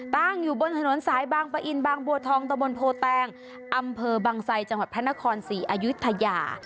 ตั้งอยู่บนถนนสายบางปะอินบางบัวทองตะบนโพแตงอำเภอบางไซจังหวัดพระนครศรีอายุทยา